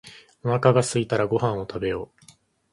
おなかがすいたらご飯を食べよう